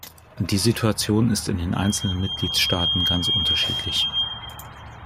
Die Situation ist in den einzelnen Mitgliedstaaten ganz unterschiedlich.